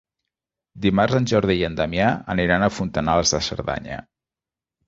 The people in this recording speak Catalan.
Dimarts en Jordi i en Damià aniran a Fontanals de Cerdanya.